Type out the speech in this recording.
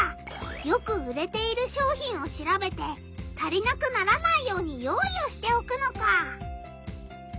よく売れている商品を調べて足りなくならないように用意をしておくのか。